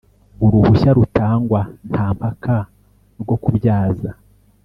Uruhushya rutangwa nta mpaka rwo kubyaza